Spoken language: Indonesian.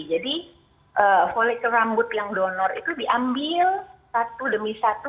jadi kulit rambut yang donor itu diambil satu demi satu